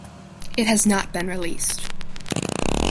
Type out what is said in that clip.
It has not been released.